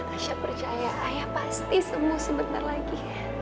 aisyah percaya ayah pasti semuanya sebentar lagi